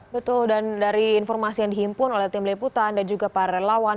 betul dan dari informasi yang dihimpun oleh tim liputan dan juga para relawan